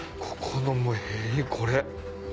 ここのこれ。